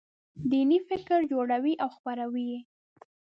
دیني فکر جوړوي او خپروي یې.